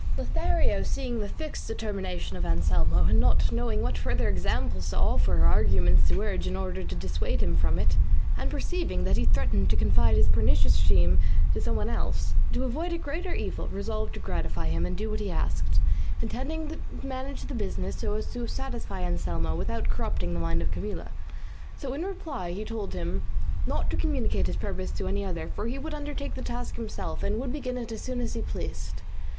Lothario seeing the fixed determination of Anselmo, and not knowing what further examples to offer or arguments to urge in order to dissuade him from it, and perceiving that he threatened to confide his pernicious scheme to some one else, to avoid a greater evil resolved to gratify him and do what he asked, intending to manage the business so as to satisfy Anselmo without corrupting the mind of Camilla; so in reply he told him not to communicate his purpose to any other, for he would undertake the task himself, and would begin it as soon as he pleased.